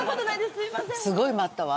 すごい待ったわ。